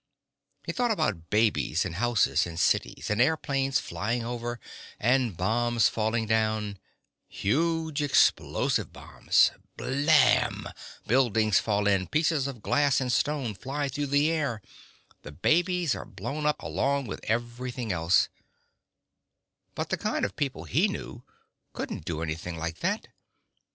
He thought about babies in houses in cities, and airplanes flying over, and bombs falling down: huge explosive bombs. Blam! Buildings fall in, pieces of glass and stone fly through the air. The babies are blown up along with everything else But the kind of people he knew couldn't do anything like that.